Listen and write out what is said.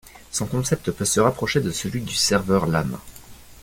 Son concept peut se rapprocher de celui du serveur lame.